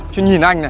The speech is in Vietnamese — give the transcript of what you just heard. chú nhìn anh này